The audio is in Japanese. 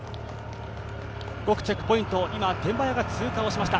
５区のチェックポイント、今、天満屋が通過しました。